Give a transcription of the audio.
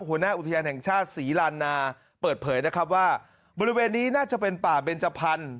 หัวหน้าอุทยานแห่งชาติศรีลานาเปิดเผยนะครับว่าบริเวณนี้น่าจะเป็นป่าเบนจพันธุ